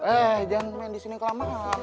eh jangan main di sini kelamaan